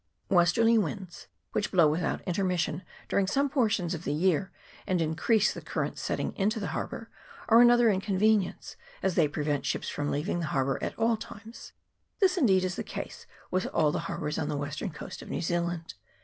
Westerly winds, which blow without intermission during some portions of the year, and increase the current setting into the harbour, are another inconvenience, as they prevent ships from leaving the harbour at all times. This, indeed, is the case with all the harbours on the western coast of New Zealand.